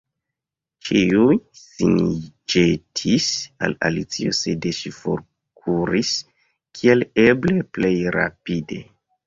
Ĉiuj sin ĵetis al Alicio, sed ŝi forkuris kiel eble plej rapide.